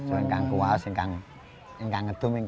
yang kagum kuas yang kagum gedung